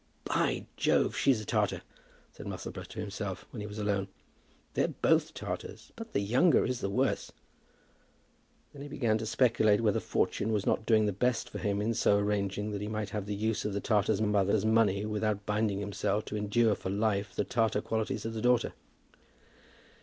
"By Jove, she is a Tartar," said Musselboro to himself, when he was alone. "They're both Tartars, but the younger is the worse." Then he began to speculate whether Fortune was not doing the best for him in so arranging that he might have the use of the Tartar mother's money without binding himself to endure for life the Tartar qualities of the daughter.